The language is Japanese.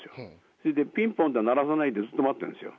それでピンポンって鳴らさないで、ずっと待ってるんですよ。